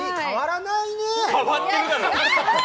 変わってるだろ！